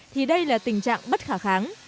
thì đây là tình trạng bất khả kháng